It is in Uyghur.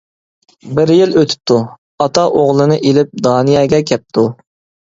بىر يىل ئۆتۈپتۇ، ئاتا ئوغلىنى ئېلىپ دانىيەگە كەپتۇ.